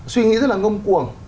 suy nghĩ rất là ngông cuồng